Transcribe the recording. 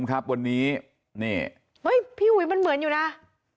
อันนี้มันคืออะไรอะ